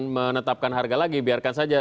menetapkan harga lagi biarkan saja